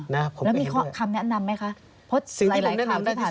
แล้วมีคำแนะนำไหมคะ